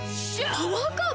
パワーカーブ⁉